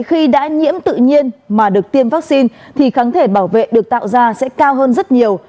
khi đã nhiễm tự nhiên mà được tiêm vaccine thì kháng thể bảo vệ được tạo ra sẽ cao hơn rất nhiều